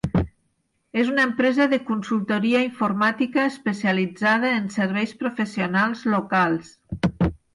És una empresa de consultoria informàtica especialitzada en serveis professionals locals.